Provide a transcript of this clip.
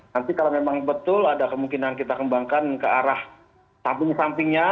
nanti kalau memang betul ada kemungkinan kita kembangkan ke arah samping sampingnya